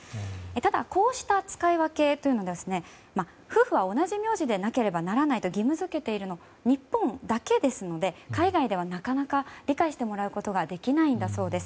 ただこうした使い分けは夫婦は同じ名字でなければならないと義務付けているのは日本だけですので海外ではなかなか理解してもらうことができないんだそうです。